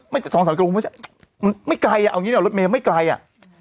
ไม่สองสามกิโลไม่ใช่ไม่ไกลอ่ะเอาอย่างงี้น่ะรถเมล์ไม่ไกลอ่ะ